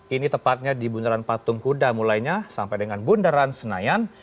ini tepatnya di bundaran patung kuda mulainya sampai dengan bundaran senayan